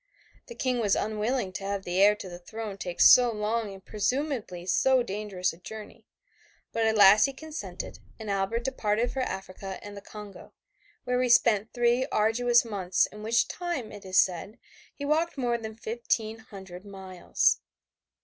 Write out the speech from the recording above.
The King was unwilling to have the heir to the throne take so long and presumably so dangerous a journey, but at last he consented and Albert departed for Africa and the Congo, where he spent three arduous months in which time, it is said, he walked more than fifteen hundred miles.